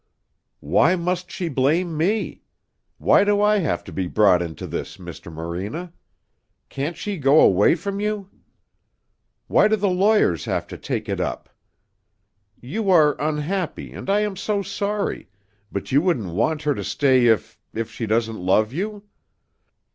"Why must she blame me? Why do I have to be brought into this, Mr. Morena? Can't she go away from you? Why do the lawyers have to take it up? You are unhappy, and I am so sorry. But you wouldn't want her to stay if if she doesn't love you?"